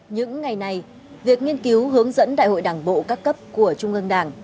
những ngày này việc nghiên cứu hướng dẫn đại hội đảng bộ các cấp của trung ương đảng